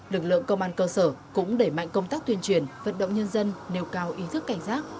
lực lượng công an cơ sở cũng đẩy mạnh công tác tuyên truyền vận động nhân dân nêu cao ý thức cảnh giác